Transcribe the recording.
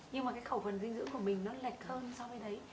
nhưng mà cái khẩu phần dinh dưỡng của mình nó lệch hơn so với đấy